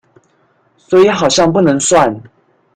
所以好像不能算